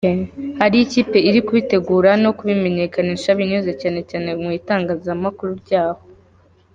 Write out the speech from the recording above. Hariyo ikipe iri kubitegura no kubimenyekanisha binyuze cyane cyane mu itangazamakuru ryaho.